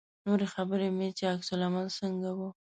نورې خبرې مې چې عکس العمل څنګه و.